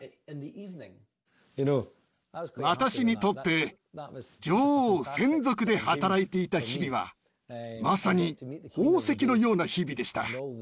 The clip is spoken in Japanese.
私にとって女王専属で働いていた日々はまさに宝石のような日々でした。